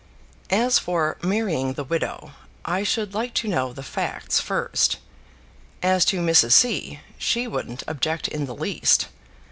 "As for marrying the widow, I should like to know the facts first. As to Mrs. C., she wouldn't object in the least.